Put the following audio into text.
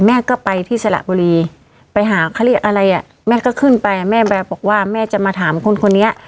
แม่ก็ไปที่สระบุรีไปหาเขาเรียกอะไรอ่ะแม่ก็ขึ้นไปแม่ไปบอกว่าแม่จะมาถามคนคนนี้